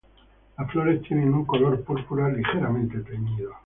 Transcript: Las flores tienen un color púrpura ligeramente teñido.